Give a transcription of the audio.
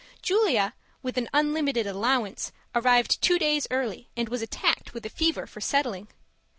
Julia, with an unlimited allowance, arrived two days early and was attacked with a fever for settling.